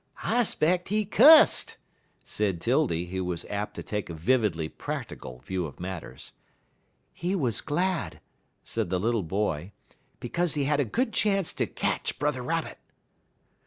"I 'speck he cusst," said 'Tildy, who was apt to take a vividly practical view of matters. "He was glad," said the little boy, "because he had a good chance to catch Brother Rabbit."